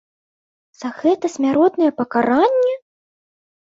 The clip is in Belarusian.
За гэта смяротнае пакаранне?